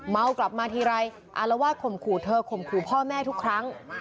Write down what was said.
เมากลับมาทีไรอารวาสข่มขู่เธอข่มขู่พ่อแม่ทุกครั้ง